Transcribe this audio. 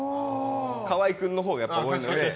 河合君のほうが多いので。